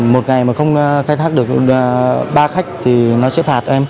một ngày mà không khai thác được ba khách thì nó sẽ phạt